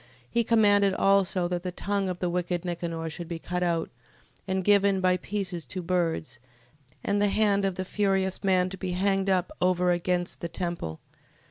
He commanded also, that the tongue of the wicked Nicanor should be cut out, and given by pieces to birds, and the hand of the furious man to be hanged up over against the temple.